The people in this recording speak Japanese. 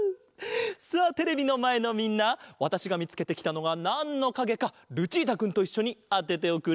さあテレビのまえのみんなわたしがみつけてきたのがなんのかげかルチータくんといっしょにあてておくれ！